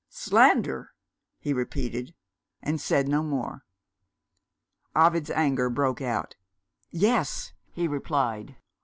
"Slander?" he repeated and said no more. Ovid's anger broke out. "Yes!" he replied.